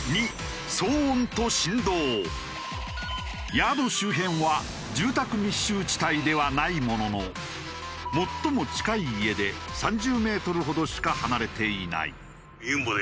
ヤード周辺は住宅密集地帯ではないものの最も近い家で３０メートルほどしか離れていない。